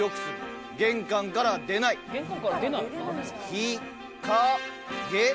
ひかげ。